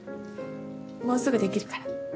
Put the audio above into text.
もうすぐ出来るから。